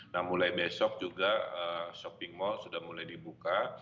nah mulai besok juga shopping mall sudah mulai dibuka